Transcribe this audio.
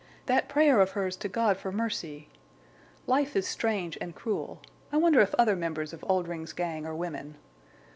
That prayer of hers to God for mercy!... Life is strange and cruel. I wonder if other members of Oldring's gang are women?